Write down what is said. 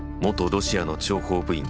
ロシアの諜報部員